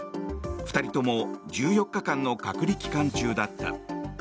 ２人とも１４日間の隔離期間中だった。